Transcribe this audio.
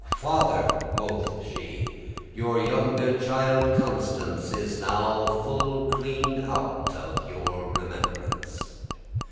"Father," quoth she, "your younge child Constance Is now full clean out of your remembrance.